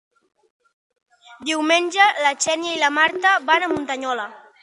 Diumenge na Xènia i na Marta van a Muntanyola.